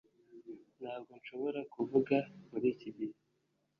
Ntabwo nshobora kuvuga muri iki gihe